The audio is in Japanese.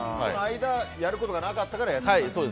間にやることがなかったからやったと。